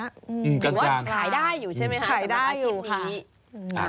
หรือว่าขายได้อยู่ใช่ไหมฮะศพชีพนี้